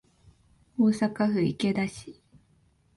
大阪府池田市